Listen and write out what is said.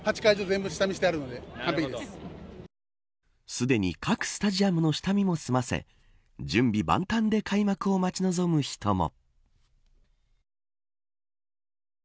すでに各スタジアムの下見も済ませ準備万端で開幕を待ち望む人も。